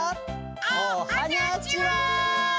おはにゃちは！